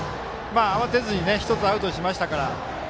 慌てずに１つアウトにしましたから。